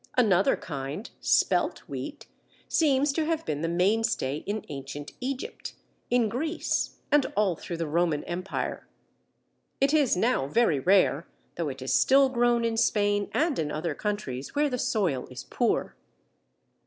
Another kind, "spelt" wheat, seems to have been the mainstay in ancient Egypt, in Greece, and all through the Roman Empire. It is now very rare, though it is still grown in Spain and in other countries where the soil is poor.